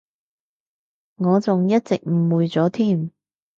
我仲一直誤會咗添